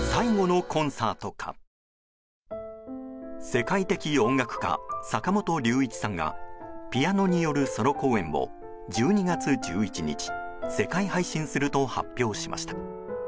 世界的音楽家坂本龍一さんがピアノによるソロ公演を１２月１１日世界配信すると発表しました。